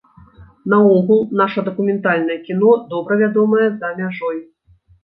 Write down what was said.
Наогул, наша дакументальнае кіно добра вядомае за мяжой.